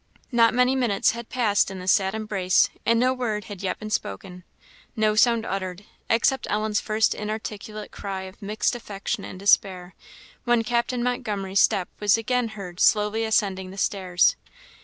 Not many minutes had passed in this sad embrace, and no word had yet been spoken; no sound uttered, except Ellen's first inarticulate cry of mixed affection and despair, when Captain Montgomery's step was again heard slowly ascending the stairs.